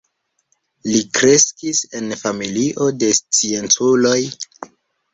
Li kreskis en familio de scienculoj.